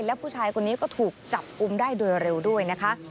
และผู้ชายคนนี้ก็ถูกจับกุมได้โดยเร็วด้วยนะคะ